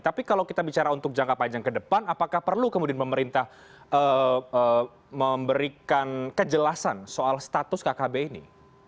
tapi kalau kita bicara untuk jangka panjang ke depan apakah perlu kemudian pemerintah memberikan kejelasan soal status kkb ini